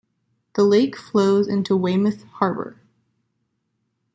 The lake flows into Weymouth Harbour.